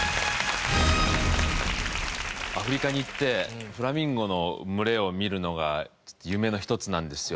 アフリカに行ってフラミンゴの群れを見るのが夢の一つなんですよ。